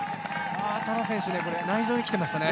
トラ選手、内臓にきていますね